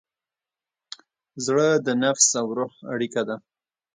زړه د نفس او روح اړیکه ده.